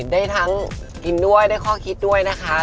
ได้ทั้งกินด้วยได้ข้อคิดด้วยนะคะ